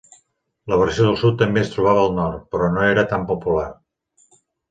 La versió del sud també es trobava al nord, però no era tan popular.